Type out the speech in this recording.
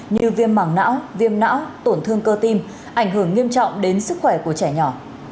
như viêm mảng não viêm não tổn thương cơ tim ảnh hưởng nghiêm trọng đến sức khỏe của trẻ nhỏ